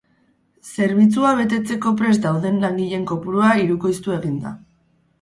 Zerbitzua betetzeko prest dauden langileen kopurua hirukoiztu egin da.